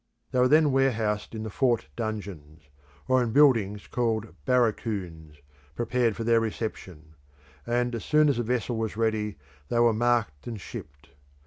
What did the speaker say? They were then warehoused in the fort dungeons, or in buildings called "barracoons" prepared for their reception; and as soon as a vessel was ready they were marked and shipped.